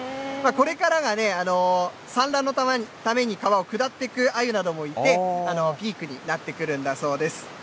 これからが産卵のために川を下っていくアユなどもいて、ピークになってくるんだそうです。